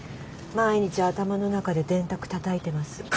毎日頭の中で電卓たたいてます。